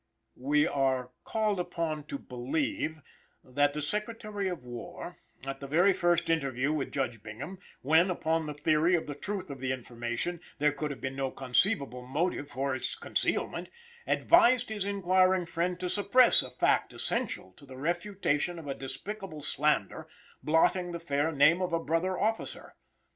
We are called upon to believe that the Secretary of War, at the very first interview with Judge Bingham, when, upon the theory of the truth of the information, there could have been no conceivable motive for its concealment, advised his inquiring friend to suppress a fact essential to the refutation of a despicable slander, blotting the fair name of a brother officer.